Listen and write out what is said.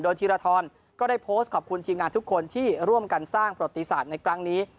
ธีรทรก็ได้โพสต์ขอบคุณทีมงานทุกคนที่ร่วมกันสร้างประติศาสตร์ในครั้งนี้